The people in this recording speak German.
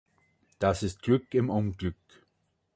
Das ist Glück im Unglück.